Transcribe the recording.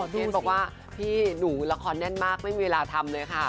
เทสบอกว่าพี่หนูละครแน่นมากไม่มีเวลาทำเลยค่ะ